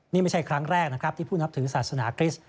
นี่ไม่ใช่ครั้งแรกนะครับที่ผู้นับถือศาสนาคริสต์